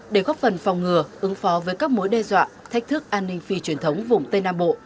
để góp phần phòng ngừa ứng phó với các mối đe dọa thách thức an ninh phi truyền thống vùng tây nam bộ